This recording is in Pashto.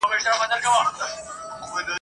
د اټک د سیند موجوکي ..